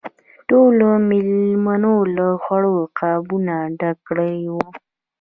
ټولو مېلمنو له خوړو قابونه ډک کړي وو.